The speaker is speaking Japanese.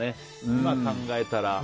今、考えたら。